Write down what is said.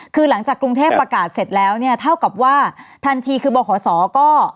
คือหลังจากกรุงเทพประกาศเสร็จแล้วเนี่ยเท่ากับว่าทันทีคือบขศก็